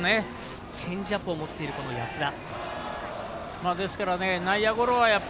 チェンジアップを持っている安田。